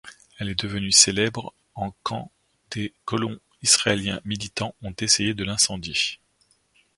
Elle est devenue célèbre en quand des colons israéliens militants ont essayé de l'incendier.